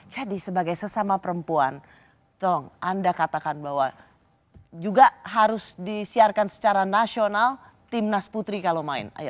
jadi sebagai sesama perempuan tolong anda katakan bahwa juga harus disiarkan secara nasional timnas putri kalau main